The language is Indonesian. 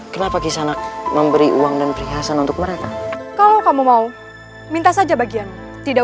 kenapa kisana memberi uang dan perhiasan untuk mereka kalau kamu mau minta saja bagian tidak